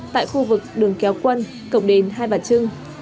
tại khu vực đường kéo quân cổng đền hai bà trưng